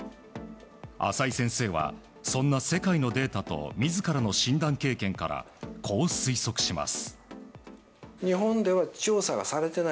浅井先生はそんな世界のデータと自らの診断経験からこう推測します。